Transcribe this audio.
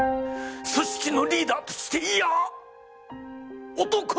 組織のリーダーとしていや男として。